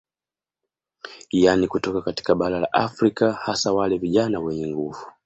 Yani kutoka katika bara la Afrika hasa wale vijana wenye nguvu